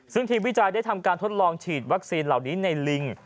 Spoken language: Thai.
ซึ่งทีมวิจัยได้ทำการทดลองฉีดวัคซีนเหล่านี้ในลิง